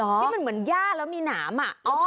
ที่มันเหมือนย่าแล้วมีหนาม